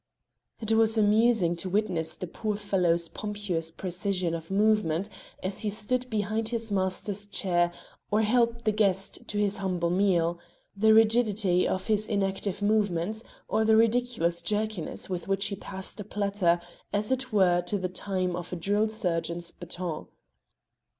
It was amusing to witness the poor fellow's pompous precision of movement as he stood behind his master's chair or helped the guest to his humble meal; the rigidity of his inactive moments, or the ridiculous jerkiness with which he passed a platter as 'twere to the time of a drill sergeant's baton.